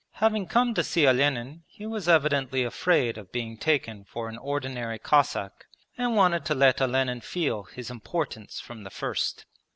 Having come to see Olenin he was evidently afraid of being taken for an ordinary Cossack, and wanted to let Olenin feel his importance from the first.